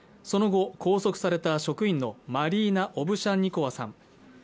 その後拘束された職員のマリーナ・オブシャンニコワさん